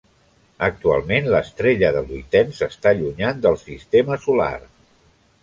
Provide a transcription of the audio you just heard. Actualment, l'estrella de Luyten s'està allunyant del Sistema Solar.